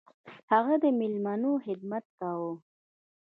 هغه د میلمنو خدمت کاوه.